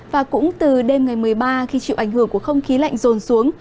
và cũng từ đêm ngày một mươi ba khi chịu ảnh hưởng của không khí lạnh rồn xuống